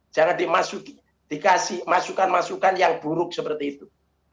jangan dimasuki dikasih masukan masukan yang buruk seperti itu